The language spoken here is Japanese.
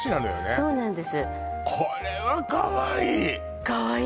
そうなんです